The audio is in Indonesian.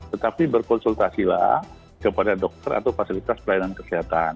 tetapi berkonsultasilah kepada dokter atau fasilitas pelayanan kesehatan